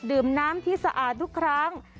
ดื่มน้ำที่สะอาดทุกครั้ง